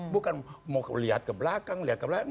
bukan mau lihat ke belakang lihat ke belakang